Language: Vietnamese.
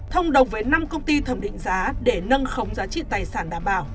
thông đồng với năm công ty thẩm định giá để nâng khống giá trị tiền